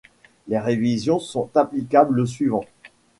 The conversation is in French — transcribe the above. Les révisions sont applicables le suivant.